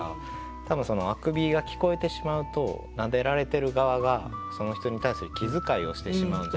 多分あくびが聞こえてしまうと撫でられてる側がその人に対する気遣いをしてしまうんじゃないか。